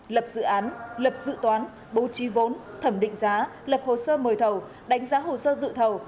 lập dự án lập dự toán bố trí vốn thẩm định giá lập hồ sơ mời thầu đánh giá hồ sơ dự thầu